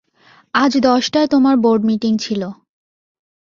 আজ দশটায় তোমার বোর্ড মিটিং ছিল!